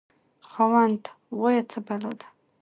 خاوند: وایه څه بلا ده؟